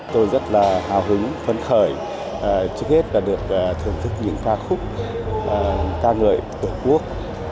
tôi rất là hào hứng phấn khởi trước hết là được thưởng thức những ca khúc ca ngợi tổ quốc